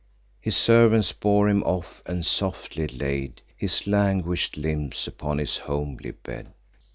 His servants bore him off, and softly laid His languish'd limbs upon his homely bed.